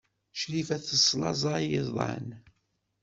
Crifa teslaẓay iḍan.